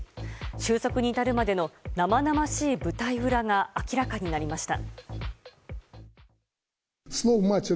収束に至るまでの生々しい舞台裏が明らかになりました。